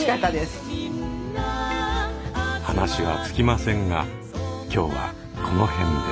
話は尽きませんが今日はこの辺で。